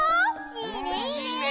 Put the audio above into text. いいねいいね！